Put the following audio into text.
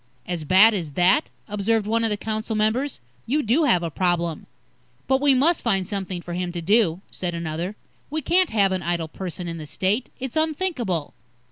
"As bad as that?" observed one of the council members. "You do have a problem." "But we must find something for him to do," said another. "We can't have an idle person in the State. It's unthinkable."